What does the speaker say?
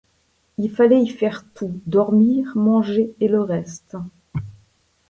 Il fallait y faire tout, dormir, manger et le reste.